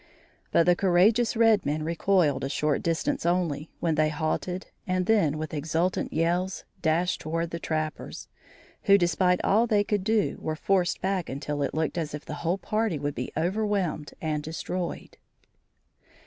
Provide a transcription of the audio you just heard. But the courageous red men recoiled a short distance only, when they halted and then, with exultant yells, dashed toward the trappers, who despite all they could do, were forced back until it looked as if the whole party would be overwhelmed and destroyed.